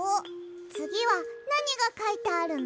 つぎはなにがかいてあるの？